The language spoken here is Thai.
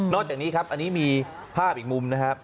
จากนี้ครับอันนี้มีภาพอีกมุมนะครับ